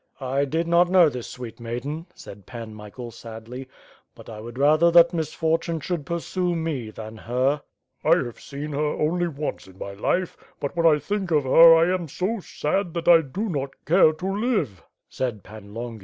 "I did not know this sweet maiden," said Pan Michael sadly, 'Tjut T wonld TpiHer that misfortune should pursue me than her.'^ "I have seen her only once in my life; but when I think of her I am so sad that I do not care to live," said Pan Longin.